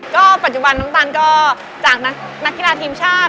ก็ปัจจุบันน้ำตาลก็จากนักกีฬาทีมชาติ